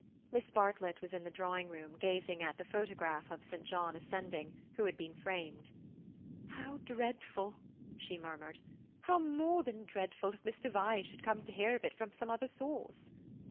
Miss Bartlett was in the drawing room, gazing at the photograph of St. John ascending, which had been framed. "How dreadful!" she murmured, "how more than dreadful, if Mr. Vyse should come to hear of it from some other source."